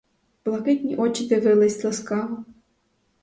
Блакитні очі дивились ласкаво.